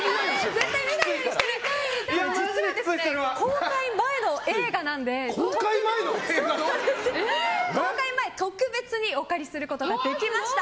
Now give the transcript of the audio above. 実は、公開前の映画なので公開前で特別にお借りすることができました。